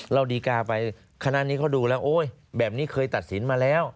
ดีการ์ไปคณะนี้เขาดูแล้วโอ๊ยแบบนี้เคยตัดสินมาแล้ว